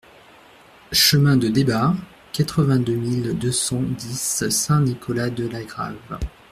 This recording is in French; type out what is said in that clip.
Chemin de Débat, quatre-vingt-deux mille deux cent dix Saint-Nicolas-de-la-Grave